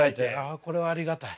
あこれはありがたい。